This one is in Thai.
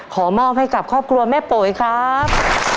ขอมอบให้กับครอบครัวแม่โป๋ยครับ